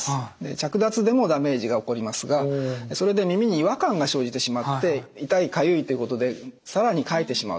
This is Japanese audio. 着脱でもダメージが起こりますがそれで耳に違和感が生じてしまって痛いかゆいということで更にかいてしまうと。